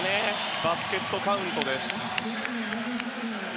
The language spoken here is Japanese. バスケットカウントです。